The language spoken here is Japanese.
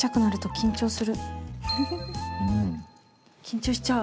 緊張しちゃう。